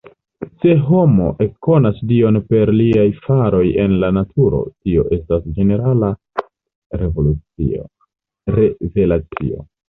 Se homo ekkonas Dion per liaj faroj en la naturo, tio estas "ĝenerala" revelacio.